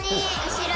後ろ！